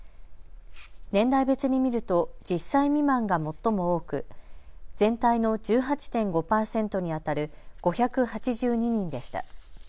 年代別に見ると１０歳未満が最も多く全体の１８．５％にあたる５８２人でした。